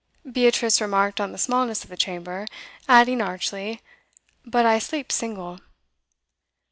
Beatrice remarked on the smallness of the chamber, adding archly, 'But I sleep single.